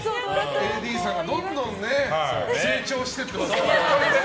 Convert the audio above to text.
ＡＤさんがどんどん成長していっていますね。